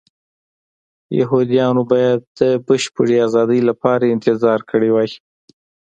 یهودیانو باید د بشپړې ازادۍ لپاره انتظار کړی وای.